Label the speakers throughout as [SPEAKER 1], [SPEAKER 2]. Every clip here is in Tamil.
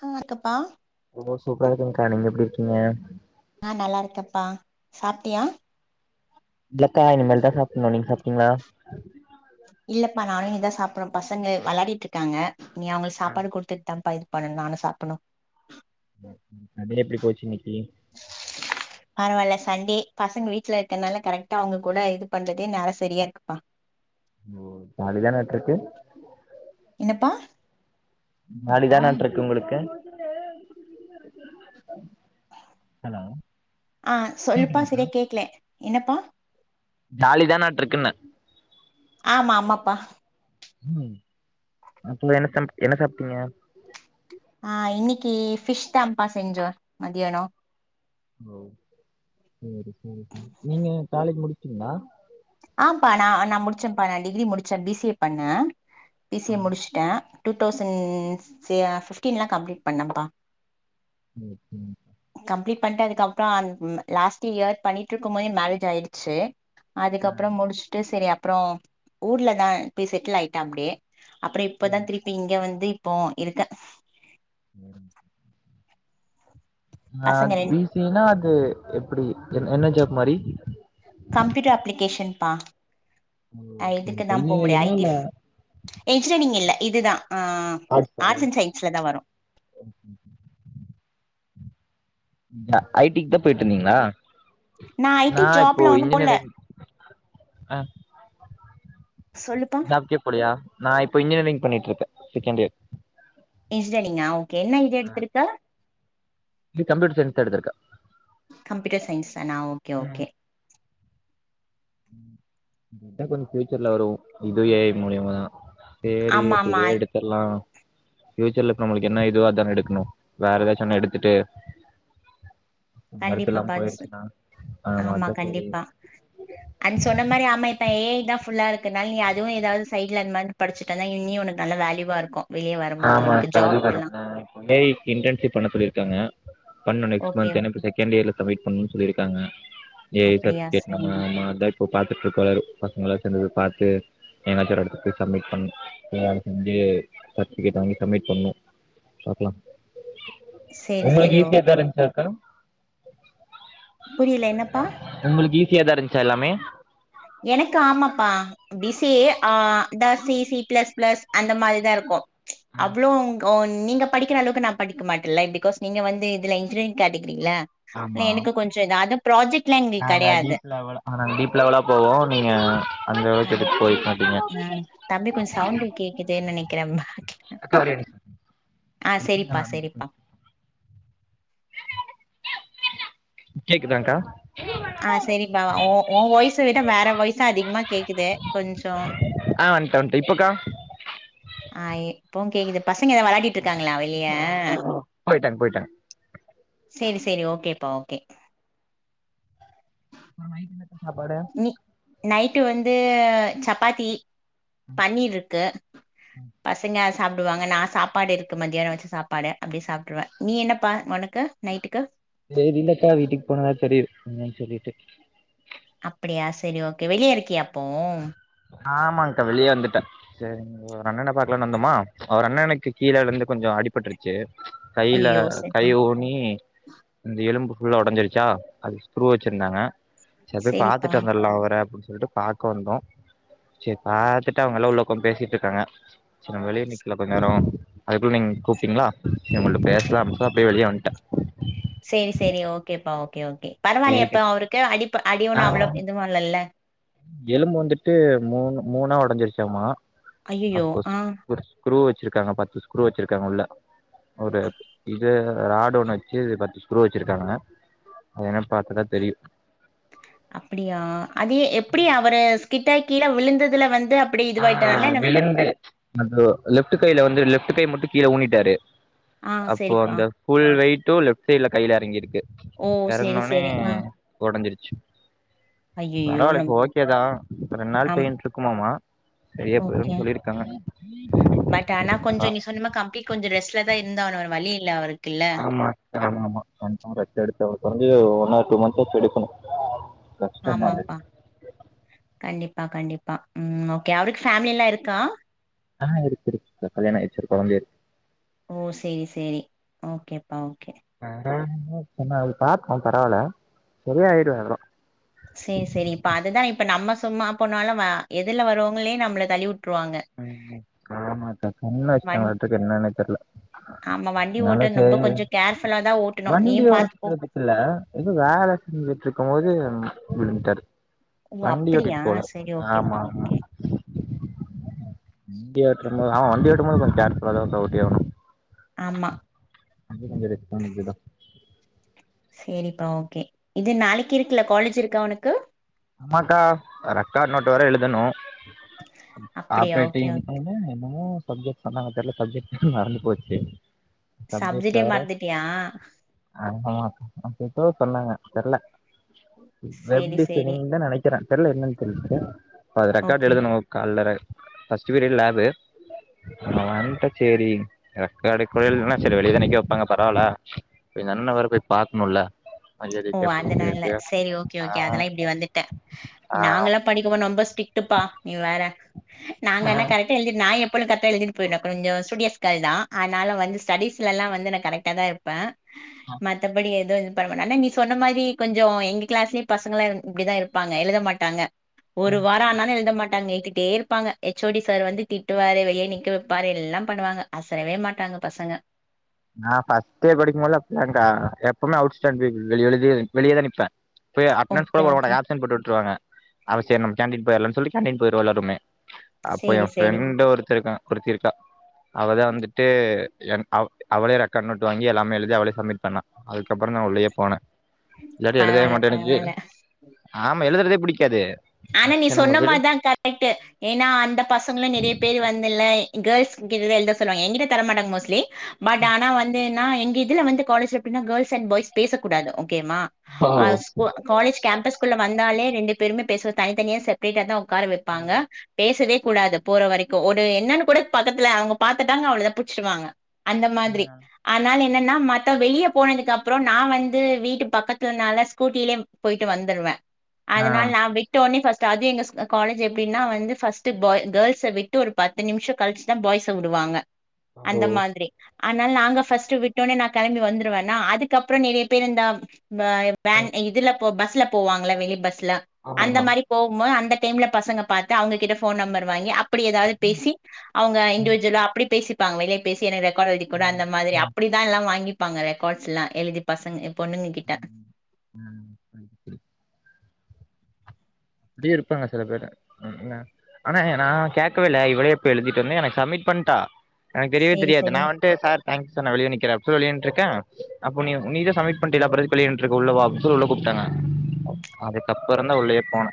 [SPEAKER 1] க இருக்கபா
[SPEAKER 2] ரொம்ப சூப்ரா இருக்கங்க்கா நீங்க எப்டி இருக்கீங்க
[SPEAKER 1] ஆ நல்லா இருக்கபா சாப்டியா
[SPEAKER 2] இல்லக்கா இனிமேல் தா சாப்பன்ணு நீங்க சாப்டீங்ளா
[SPEAKER 1] இல்லப்பா நானு இனிதா சாப்பட பசங்க வெளாடிட் இருக்காங்க இனி அவங்களுக் சாப்பாடு குடுத்துட்டு தான்பா ப்பன்னு நானு சாப்பணு
[SPEAKER 2] டே எப்படி போச்சு இன்னிக்கி
[SPEAKER 1] பரவால்ல சண்டே பசங்க வீட்ல இருக்கனால கரெக்டா அவுங்க கூட இது பண்றதே நேர சரியா இருக்குப்பா
[SPEAKER 2] ஓ ஜாலிதானற்றுக்கு
[SPEAKER 1] என்னப்பா
[SPEAKER 2] ஜாலிதானற்றுக்கு உங்களுக்கு ஹலோ
[SPEAKER 1] ஆ சொல்லுப்பா
[SPEAKER 2] கேக்குதாக்கா
[SPEAKER 1] சரியா கேக்ல என்னப்பா
[SPEAKER 2] ஜாலிதா நாட்ருக்குன்ன
[SPEAKER 1] ஆமா ஆமாப்பா
[SPEAKER 2] உம் அப்ப என்ன என்ன சாப்டீங்க
[SPEAKER 1] ஆ இன்னைக்கி ஃபிஷ் தாப்பா செஞ்சோ மதியானோ
[SPEAKER 2] ஓ சேரி சேரி நீங்க காலேஜ் முடிச்சீங்ளா
[SPEAKER 1] ஆப்பா நா நா முடிச்சப்பா நா டிகிரி முடிச்ச பி சி ஏ பண்ண பி சி
[SPEAKER 2] ஆ
[SPEAKER 1] ஏ முடிச்சு ட்ட டூ தௌசண்ட் ம் பிட்டின்ல கம்பிலிட் பண்ணப்பா
[SPEAKER 2] ம் ம்
[SPEAKER 1] கம்ப்ளீட் பண்ணிட்டு அதுக்கப்றோ லாஸ்ட் இயர் பண்ணிட்டு இருக்கும் போதே மேரேஜ் ஆயிடுச்சு
[SPEAKER 2] ஆ
[SPEAKER 1] அப்புறம் முடிச்சுட்டு செரி அப்றோ ஊர்ல தா போய் செட்டில் ஆயிட்ட அப்டே அப்புற
[SPEAKER 2] சேரி
[SPEAKER 1] இப்பதா இப்ப இங்க வந்து இப்போ இருக்க
[SPEAKER 2] ஓகே சரி. ஆ
[SPEAKER 1] பசங்க ரெண்
[SPEAKER 2] பி சி ஏ னா அது எப்டி என் என்ன ஜாப் மாரி
[SPEAKER 1] கம்ப்யூட்டர் அப்ளிகேஷன்பா
[SPEAKER 2] ஓ
[SPEAKER 1] இதுக்கு
[SPEAKER 2] சரிக்கா
[SPEAKER 1] தா போ முடியு ஐ
[SPEAKER 2] இன்ஜினியரிங்கா இல்ல
[SPEAKER 1] டிப் இன்ஜினியரிங் இல்ல இதுதா ஆ
[SPEAKER 2] ஆர்ட்ஸா
[SPEAKER 1] ஆர்ட்ஸ் அண்ட் சயின்ஸ்ல தா வரு
[SPEAKER 2] ஐ டிக்கு தா போய்ட்டு இருந்தீங்ளா
[SPEAKER 1] ஐ டி
[SPEAKER 2] நா இப்போ
[SPEAKER 1] ஜாப்ல ஒன்னு போல
[SPEAKER 2] இன்ஜினியரிங் அ
[SPEAKER 1] சொல்லுப்பா
[SPEAKER 2] ஜாப் கே போலியா நா இப்ப இன்ஜினியரிங் பண்ணிட்டு இருக்கே செகண்ட் இயர்
[SPEAKER 1] இன்ஜினியரிங்கா ஓகே என்ன இது எடுத்துருக்க
[SPEAKER 2] இது கம்ப்யூட்டர் சயின்ஸ் தா எடுத்துருக்கே
[SPEAKER 1] கம்ப்யூட்டர் சயின்ஸ் தானா ஓகே ஓகே
[SPEAKER 2] இதா கொஞ்சோ ஃபியூச்சர்ல வரு இது ஏ ய் ஜ மூலியமா சேரி
[SPEAKER 1] ஆமா ஆமா
[SPEAKER 2] அப்டின்னு தா எடுத் எல்லா ஃபியூச்சர்ல இப்ப நம்மளுக்கு என்ன இதுவோ அதான எடுக்கணு வேற ஏதாச்சு ஒன்ன எடுத்துட்டு வொர்த்
[SPEAKER 1] கண்டிப்பா
[SPEAKER 2] இல்லாம
[SPEAKER 1] பானுசு
[SPEAKER 2] போயிருச்சின்னா ஆமா அதா சரி
[SPEAKER 1] அது சொன்ன மாரி ஆமா இப்ப ஏ ஐதா ஃபுல்லா இருக் கனால நீ அதுவு ஏதாவது சைட்ல அந்த மாரி படிச்சுட்டு வந்தா இனியு உனக்கு நல்ல வேல்யூவா இருக்கு
[SPEAKER 2] ஆமா அக்கா அதுவு கரெக்ட்டுதா ஏ ஐ இன்டர்ன்ஷிப் பண்ண சொல்லிருக்காங்க பண்ணணு நெக்ஸ்ட்
[SPEAKER 1] ஓகே
[SPEAKER 2] மந்த் ஏன்னா இப்ப செகண்ட் இயர்ல வெயிட் பண்ணன்னு சொல்லிருக்காங்க ஏ ஐ
[SPEAKER 1] அப்படியா
[SPEAKER 2] சர்டிஃபிகேட் நம்ம
[SPEAKER 1] சரிம்மா
[SPEAKER 2] மா அதா இப்ப பாத்துட்டு இருக்காரு பசங்களா சேந்து போய் பாத்து எதுனாச்சு ஒரு எடத்துக்கு போய் சப்மிட் பண்ணனு எதுனாலு செஞ்சி சர்டிஃபிகேட் வாங்கி சப்மிட் பண்ணனு பாக்கலா
[SPEAKER 1] சரி
[SPEAKER 2] உங்களுக்கு
[SPEAKER 1] சரி ஓகே
[SPEAKER 2] ஈசியாதா இருந்துச்சாக்கா
[SPEAKER 1] புரியல என்னப்பா
[SPEAKER 2] உங்களுக்கு ஈஸியாதா இருந்துச்சா எல்லாமே
[SPEAKER 1] எனக்கு ஆமப்பா பிசி ஆ இந்த சி சி பிளஸ் பிளஸ் அந்த மாரிதா இருக்கு அவ்ளோ ஓ நீங்க படிக்கிற அளவுக்கு நா படிக்க மாட்டேல்ல பிகாஸ் நீங்க வந்து இதுல இன்ஜினியரிங் கேட்டகிரில ஆனா
[SPEAKER 2] ஆமா
[SPEAKER 1] எனக்கு கொஞ்சோ இதா அது ப்ராஜெக்ட்ல்லா எங்களுக்கு கெடையாது
[SPEAKER 2] ஆனா டீப் லெவலா போவோ நீங்க அந்த அளவுக்கு
[SPEAKER 1] ஆமா
[SPEAKER 2] எடுத்து போயிருக்க மாட்டீங்க
[SPEAKER 1] ஆ தம்பி கொஞ்சோ சவுண்ட் கேக்குதுன்னு நெனைக்கிறே பேக்ல
[SPEAKER 2] அக்கா ஓரே நான்
[SPEAKER 1] சரிப்பா
[SPEAKER 2] கேக்குதாங்க்கா
[SPEAKER 1] ஆ சரிப்பா உ உன் வாய்ச விட வேற வாய்சா அதிகமா கேக்குது கொஞ்சோ
[SPEAKER 2] ஆ வன்ட்டே வன்ட்டே இப்பக்கா
[SPEAKER 1] ஆ இப்பவு கேக்குது பசங்க ஏதா வெளாடிட்டு இருக்காங்களா வெளிய
[SPEAKER 2] போயிட்டாங்க போயிட்டாங்க
[SPEAKER 1] சேரி சேரி ஓகேப்பா ஓகே
[SPEAKER 2] அப்பறோ நைட்டு என்னக்கா சாப்பாடு
[SPEAKER 1] நீ நைட்டு வந்து சப்பாத்தி பன்னீர் இருக்கு பசங்க சாப்டுவாங்க நா சாப்பாடு இருக்கு மத்தியானோ வச்ச சாப்பாடு அப்டியே சாப்ட்ருவே நீ என்னப்பா ஒனக்கு நைட்டுக்கு
[SPEAKER 2] தெரிலக்கா வீட்டுக்கு போனதா தெரியு என்னன்னு சொல்லிட்டு
[SPEAKER 1] அப்டியா சேரி ஓகே வெளிய இருக்கியா அப்போ
[SPEAKER 2] ஆமாங்க்கா வெளிய வந்துட்டே சேரிங்க ஒரு அண்ணன பாக்கலான்னு வந்தமா ஒரு அண்ணனுக்கு கீழே விழுந்து கொஞ்சோ அடிபட்டுருச்சி கைல
[SPEAKER 1] ஐயயோ சரி
[SPEAKER 2] கை
[SPEAKER 1] சரி
[SPEAKER 2] ஓ நீ இந்த எலும்பு ஃபுல்லா ஒடஞ்சிருச்சா அதுக்கு ஸ்குரு வச்சிருந்தாங்க சரி போய்
[SPEAKER 1] சரிப்பா
[SPEAKER 2] பாத்துட்டு வந்துறலா அவர அப்டின்னு சொல்லிட்டு பாக்க வந்தோ செரி பாத்துட்டு அவங்கல்லா உள்ள ஒக்காந்து பேசிட்டு இருக்காங்க செரி நம்ப வெளிய நிக்கலா கொஞ்ச நேரோ அதுக்குள்ள நீங்க கூப்ட்டீங்களா செரி உங்கள்ட பேசலா அப்டின்னு சொல் அப்டியே வெளிய வன்ட்டே
[SPEAKER 1] சேரி சேரி ஓகேப்பா ஓகே ஓகே பரவாயில்லையா இப்ப அவருக்கு அடிப்ப அடி ஒண்ணு அவ்ளோ இது எதுவு இல்லல்ல
[SPEAKER 2] எலும்பு வந்துட்டு மூணு மூணா ஒடஞ்சிருச்சாமா
[SPEAKER 1] ஐயயோ
[SPEAKER 2] அப்போ
[SPEAKER 1] ஆ
[SPEAKER 2] ஸ்க்ரூ வச்சிருக்காங்க பத்து ஸ்க்ரூ வச்சிருக்காங்க உள்ள ஒரு இது ராடு ஒன்னு வச்சு பத்து ஸ்க்ரூ வச்சிருக்காங்க அது என்னானு பாத்தா தா தெரியு
[SPEAKER 1] அப்படியா அதே எப்டி அவரு ஸ்கிட்டாயி கீழ விழுந்ததுல வந்து அப்டி
[SPEAKER 2] ஆ
[SPEAKER 1] இதுவாயிட்டனால நம்
[SPEAKER 2] விழுந்து [unintelligible] லெஃப்ட்டு கைல வந்து லெஃப்ட்டு கை மட்டு கீழ ஊனிட்டாரு
[SPEAKER 1] ஆ
[SPEAKER 2] அப்போ
[SPEAKER 1] செரிப்பா
[SPEAKER 2] அந்த ஃபுல் வெய்ட்டு லெஃப்ட் சைட்ல கைல எறங்கியிருக்கு
[SPEAKER 1] ஓ செரி
[SPEAKER 2] எறங்னோனே
[SPEAKER 1] செரி ஆ
[SPEAKER 2] ஒடஞ்சிருச்சு
[SPEAKER 1] ஐயையோ
[SPEAKER 2] பரவால்ல
[SPEAKER 1] நம்
[SPEAKER 2] இப்ப ஓகேதா ரெண் நாள்
[SPEAKER 1] ஆம்
[SPEAKER 2] பெய்ன்ருக்குமாமா செரியா போயிருன்
[SPEAKER 1] ஓகே
[SPEAKER 2] சொல்லிருக்காங்க
[SPEAKER 1] பட் ஆனா கொஞ்சோ நீ சொன்னம்மா கம்ப்ளீட் கொஞ்சோ ரெஸ்ட்ல தா இருந்தாவனு வேற வழி இல்ல அவரு
[SPEAKER 2] ஆமா ஆமாமா கன்ஃபார்ம் ரெஸ்ட் எடுத்தாவனு கொறஞ்சது ஒரு ஒன் ஆர் டூ மன்த்ஸ் ஆச்சு எடுக்கணு கஷ்டந்தா அது
[SPEAKER 1] ஆமாப்பா கண்டிப்பா கண்டிப்பா ம் ஓகே அவருக்கு ஃபேம்லில்லாருக்கா
[SPEAKER 2] ஆ இருக்கு இருக்குக்கா கல்யாணோ ஆயிருச்சு ஒரு கொழந்தையேரு
[SPEAKER 1] ஓ சேரி சேரி ஓகேப்பா ஓகே
[SPEAKER 2] ஆரம்பத்லே சொன்னாரு [unintelligible] பரவால்ல சரியாயிடு அதல்லா
[SPEAKER 1] சேர் சேரி இப்ப அதுதா இப்ப நம்ம சும்மா போனாலு வ எதுர்ல வரோங்களே நம்மள தள்ளிவுட்ருவாங்க
[SPEAKER 2] ம் ஆமாக்கா கண்ல
[SPEAKER 1] வண்
[SPEAKER 2] அச்ட்டாங்களாட்டுக்கு என்னன்னே தெர்ல
[SPEAKER 1] ஆமா வண்டி
[SPEAKER 2] அதனால
[SPEAKER 1] ஓட்ட ரொம்ப கொஞ்சோ கேர்ஃபுல்லா தா ஓட்டணு நீ பா
[SPEAKER 2] ஓட்றதுக்குல்ல எது வேல செஞ்சுட்ருக்கம்போது விழுந்துட்டாரு
[SPEAKER 1] ஓ
[SPEAKER 2] வண்டி
[SPEAKER 1] அப்டியா
[SPEAKER 2] ஓட்டிட் போல
[SPEAKER 1] சரி ஓகேப்பா
[SPEAKER 2] ஆமாமா
[SPEAKER 1] ஓகே
[SPEAKER 2] வண்டி ஓட்றம்போது ஆ வண்டி ஓட்டும்போது கொஞ்சோ கேர்ஃபுல்லா தாக்கா ஓட்டிஆவணு
[SPEAKER 1] ஆமா
[SPEAKER 2] வண்டி கொஞ்சோ ரிஸ்க்கானது தா
[SPEAKER 1] சேரிப்பா ஓகே இது நாளைக்கி இருக்குல்ல காலேஜ் இருக்கா ஒனக்கு
[SPEAKER 2] ஆமாக்கா ரெக்கார்ட் நோட்டு வேற எழுதணு
[SPEAKER 1] அப்டியா ஓகே
[SPEAKER 2] ஆப்ரேட்டிங்
[SPEAKER 1] ஓகே.
[SPEAKER 2] என்ன மோ சப்ஜெக்ட் சொன்னாங்க தெர்ல சப்ஜெக்ட் மறந்து போச்சு சப்ஜெக்ட்
[SPEAKER 1] சப்ஜெக்டே
[SPEAKER 2] வேற
[SPEAKER 1] மறந்துட்டியா
[SPEAKER 2] ஆமா அப்ப எதோ சொன்னாங்க தெர்ல [unintelligible]
[SPEAKER 1] சரி சரி
[SPEAKER 2] தா நெனைக்கிறே தெர்ல என்னன் தெரில ப்ப அத ரெக்கார்ட்
[SPEAKER 1] ஓகே
[SPEAKER 2] எழுதணு கால்லற ஃபர்ஸ்ட்டு பீரியட் லேபு நா வன்ட்டே சேரி ரெக்கார்டு கொய்ல்லனா சேரி வெளிய தா நிக்க வெப்பாங்க பரவால்ல எங்கண்ணன வேற போய் பாக்முட்ல
[SPEAKER 1] ஓ அதனால செரி ஓகே ஓகே அதுல்ல இப்டி வந்துட்ட
[SPEAKER 2] ஆ
[SPEAKER 1] நாங்கல்லா படிக்க போ ரொம்ப ஸ்ட்ரிட்டுப்பா நீ வேற நாங்க என்ன கரெக்ட் எழுதி நா எப்பலு கரெட்டா எழுதிட்டு போய்ருவே கொஞ்சோ ஸ்டூடியோஸ் கேர்ள் தா ஆனாலு வந்து ஸ்டடீஸ் லா வந்து நா கரெக்ட் டா தாருப்பே மத்தபடி எது இது பண்ண மாட்டே ஆனா நீ சொன்ன மாரி கொஞ்சோ எங்க க்ளாஸ்லயு பசங்கள்ல்லா இப்டிதா இருப்பாங்க எழுத மாட்டாங்க ஒரு வாரோ ஆனாலு எழுத மாட்டாங்க இழுத்திட்டே ப்பாங்க எச் ஓ டி சார் வந்து திட்டுவாரு வெளிய நிக்க வெப்பாரு எல்லா பண்ணுவாங்க அசரவே மாட்டாங்க பசங்க
[SPEAKER 2] நா ஃபர்ஸ்ட்டே படிக்கும்போலு அப்டிதாக்கா எப்போமே அவுட் ஸ்டாண்டிங் வெளியலுது வெளிய தா நிப்பே போய் அட்டென்டன்ஸ் கூட
[SPEAKER 1] ஓகே
[SPEAKER 2] போட
[SPEAKER 1] ஓகே
[SPEAKER 2] மாட்டாங்க ஆப்ஸென்ட் போட்டு விட்ருவாங்க அப்ப சேரி நம்ம கேன்டீன் போய்டலான் சொல்லி கேன்டீன் போய்ருவோ எல்லாருமே அப்போ எ
[SPEAKER 1] சேரி சேரி
[SPEAKER 2] ஃப்ரெண்ட்டு ஒருத்தேருக்கா ஒருத்திருக்கா அவதா வந்துட்டு என் அவ அவளே ரெக்கார்ட் நோட்டு வாங்கி எல்லாமே எழுதி அவளே சம்மிட் பண்ணா அதுக்கப்றோ நா உள்ளயே போனே இல்லாட்டி எழுதவே
[SPEAKER 1] பரவால்ல
[SPEAKER 2] மாட்டே எனக்கு
[SPEAKER 1] பரவால்ல
[SPEAKER 2] ஆமா எழுதுறதே புடிக்காது
[SPEAKER 1] ஆனா நீ சொன்னமார்தா கரெக்ட்டு ஏன்னா அந்த பசங்கல நெறைய பேரு வந்துல்ல இ கேல்ஸ்க்ட்டலதா எழுத சொல்லுவாய்ங்க எங்கிட்ட தர மாட்டாங் மோஸ்ட்லி பட் ஆனா வந்து நா எங்க இதுல வந்து காலேஜ்ல எப்டின்னா கேல்ஸ் அண் பாய்ஸ் பேசக்கூடாது ஓகேமா அ ஒ காலேஜ் கேம்பஸ்குள்ள வந்தாலே ரெண்டு பேருமே பேஸ்வ தனித்தனியா செப்ரேட்டா தா உக்கார வெப்பாங்க பேசவே கூடாது போற வரைக்கு ஒரு என்னன்னு கூட பக்கத்துல அவுங்க பாத்துட்டாங்க அவ்ளதா புட்ச்சிருவாங்க அந்த மாதிரி அத்னால என்னன்னா மத்த வெளியே போனதுக்கு அப்றோ நா வந்து வீட்டு பக்கத்துலனால ஸ்கூட்டிலே போட்டு வந்துருவே அதனால நா போய் விட்ட ஒட்னே ஃபஸ்ட்டு அது எங்க ஸ் காலேஜ் எப்டின்னா வந்து ஃபஸ்ட்டு பாய் கேள்ஸ விட்டு ஒரு பத் து நிம்ஷோ கழிச்சுதா பாய்ஸ வுடுவாங்க அந்த மாதிரி அன்னால் நாங்க ஃபஸ்ட்டு விட்டோனே நா கெளம்பி வந்துருவேன்னா அதுக்கப்புற நெறிய பேரு இந்த இந்த எ வேன் இதுல போ பஸ்ல போவாங்கள வெளி பஸ்ல அந்த மாரி போகும்போது அந்த டைம்ல பசங்க பாத்து அவுங்ககிட்ட ஃபோன் நம்பரு வாங்கி அப்படி எதாவது பேசி அவுங்க இன்ட்யூவ்ஜ்வலா அப்படி பேசிப்பாங்க வெளிய பேசி எனக்கு ரெக்காட் எழுதி குடே அந்த மாதிரி அப்படிதா எல்லா வாங்கி ப்பாங்க ரெக்காட்ஸெல்லா எழுதி பசங்க அ பொண்ணுங்க கிட்ட
[SPEAKER 2] ம் புரிது புரித் இப்டியு இருப்பாங்க சில பேரு அ நா ஆனா நா கேக்கவேல இவளே போய் எழுதிட்டு வந்து எனக்கு சப்மிட் பண்ட்டா எனக் தெரிவே
[SPEAKER 1] சேரி
[SPEAKER 2] தெரியாது நா
[SPEAKER 1] சேரி
[SPEAKER 2] வந் ட்டு சார் தேங்க்ஸ் சார் நா வெளிய நிக்கிறே அப்பி வெளிய நின்ட்ருக்கே அப்ப நீ நீ தா சப்மிட் பன்ட இல்ல அப்பற எதுக் வெளிய நின்ட்ருக்க உள்ள வா அப் சொல் உள்ள கூப்ட்டாங்க அதுக்கப்பறந்தா உள்ளயே போன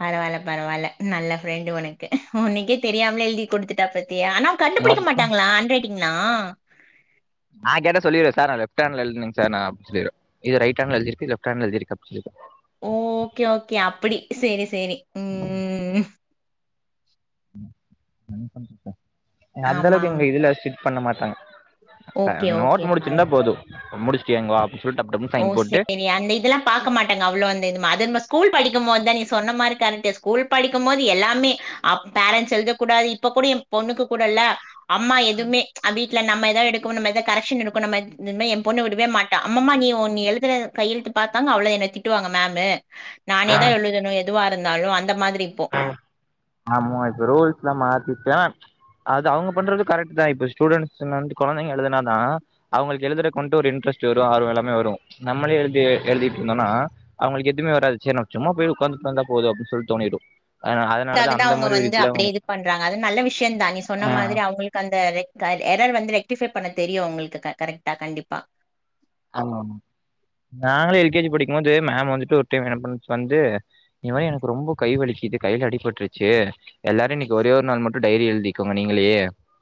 [SPEAKER 1] பரவால்ல பரவால்ல நல்ல ஃப்ரெண்டு உனக்கு உனக்கே தெரியாம்லே எழுதி குடுத்துட்டா பாத்தியா ஆனா கண்டுப்புடிக்க மாட்டாங்களா ஆன் ரைட்டிங்ளா
[SPEAKER 2] நா கேட்ட சொல்லிடுவ் சார் நா லெஃப்ட் ஹேன்ல எழுதுனேங் சார் நா அப் சொல்லிருவ் இது ரைட் ஹேண்ட்ல எழுதிருக்கு இத் லெஃப்ட் ஹேண்டல எழுதிருக்க [unintelligible]
[SPEAKER 1] ஒ ஓகே ஓகே அப்படி சேரி சேரி ம்
[SPEAKER 2] [unintelligible] அந்தளவுக்கு
[SPEAKER 1] ஆமாம்.
[SPEAKER 2] எங்க இதுல ஸ்டிட் பண்ண மாட்டாங்க அ
[SPEAKER 1] ஓகே,
[SPEAKER 2] நோட்டு
[SPEAKER 1] ஓகேப்பா.
[SPEAKER 2] முடிச்சிருந்தா போது முடிஷ்ட்டு இங்க வா
[SPEAKER 1] ஓ செரி அந்த இதெல்லா பாக்க மாட்டங்க அவ்ளோந்த இதுமாதிந்த ஸ்கூல் படிக்கும்போத்தா நீ சொன்ன மாரி கரட்டு ஸ்கூல் படிக்கும்மோது எல்லாமே அப் பேரண்ஸ் எழுத கூடாது இப்ப கூட எ ன பொண்ணுக்கு கூட இல்ல அம்மா எதுவுமே அப்பி ல நம்ம எதா எடுக்குன்னமாத்த கரெக்ஸன் எடுக்கனு நம்ம இந்தமே எ பொண்ணு விடவே மாட்ட அம்மம்மா நீ உன் நீ எழுதுற கையெழுத்து பாத்தாங்க அவ்ளோ என்ன திட்டுவாங்க மேமு நானேதா எழுதணு எ துவா இருந்தாலு அந்த மாதிரி இப்போ
[SPEAKER 2] ஆமா இப்ப ரூல்ஸ்லா மாத்திட்டா அது அவுங்க பண்றது கரெக்ட்டுதா இப்போ ஸ்டூடெண்ஸுங் வந்து கொழந்தைங்க எழுதுனாதா அவுங்கள்க்கு எழுதுற கொண்டு ஒரு இன்ட்ரெஸ்ட் வரு ஆர்வு எல்லாமே வரு நம்மளே எழுதி எழுதிட்ருந்தோனா அவுங்களுக்கு எதுமே வராது சேர் நம்ம சும்மா போய் உக்காந்துட்டு வந்தா போது அப்பின் சொல் தோனிடு
[SPEAKER 1] அதுக்காக தா அவுங்க வந்து அப்படியே இது பண்றாங்க அது நல்ல விஷயந்தா நீ சொன்ன
[SPEAKER 2] ஆ
[SPEAKER 1] மாதிரி அவுங்களுக்கு அந்த க எரர் வந்து ரெக்டிஃபை பண்ண தெரியு அவ்ங்களுக்கு க கரெக்டா கண்டிப்பா
[SPEAKER 2] ஆமாம் நாங்களு எல்கேஜி படிக்கும்போது மேம் வந்துட்டு ஒரு டைம் என்ன பண்ண வந்து இதுமாரி எனக்கு ரொம்ப கை வலிக்கிது கைல அடிபட்ருச்சு எல்லாரு இன்னிக் ஒரே ஒரு நாள் மட்டு டைரி எழ்திக்கோங்க நீங்களே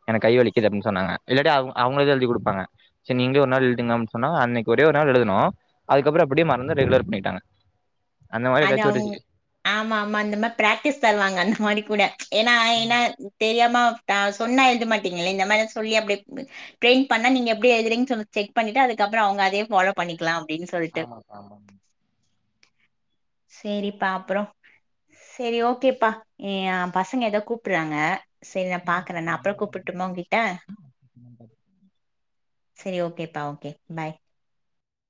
[SPEAKER 2] எனக்கு கை வலிக்குது அப்பின் சொன்னாங்க இல்லாட்டி அவ் அவ்ங்கதா எழுதி குடுப்பாங்க செர் நீங்ளே ஒரு நாள் எழ்துங்க சொன்னா அன்னைக்கு ஒரே ஒரு நாள் எழுதனோ அதுக்கப்புற அப்டியே மறந்து ரெகுலர் பண்ணிகிட்டாங்க
[SPEAKER 1] அதவ்ங் ஆமா ஆமா அந்த மாரி பிராக்டிஸ் தருவாங்க அந்த மாரி கூட ஏனா
[SPEAKER 2] ம்
[SPEAKER 1] ஏனா தெரியாம டா சொன்னா எழுத மாட்டிங்களே இந்த மாரி சொல்லி அப்டியே ட்ரெய்ன் பண்ணா நீங்க எப்டி எழுதுறீங் சொல்லி செக் பண்ணிட்டு அதுக்கப்றோ அவுங்க அதே ஃபாலோ பண்ணிக்கலா அப்டின்னு சொல்லிட்டு
[SPEAKER 2] ஆமாங்
[SPEAKER 1] சேரிப்பா அப்றோ செரி ஓகேப்பா ம் எ பசங்க எதோ கூப்புட்றாங்க செரி நா பாக்குறே நா அப்ற
[SPEAKER 2] ஆமாப்பா
[SPEAKER 1] கூப்பிட்டுமா உங்கிட்ட செரி ஓகேப்பா ஓகே பாய்